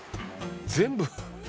全部。